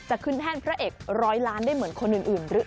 ขึ้นแท่นพระเอกร้อยล้านได้เหมือนคนอื่นหรือ